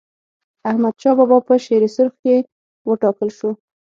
احمدشاه بابا په شیرسرخ کي و ټاکل سو.